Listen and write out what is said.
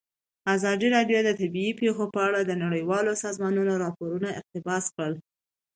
ازادي راډیو د طبیعي پېښې په اړه د نړیوالو سازمانونو راپورونه اقتباس کړي.